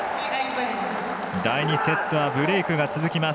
第２セットはブレークが続きます。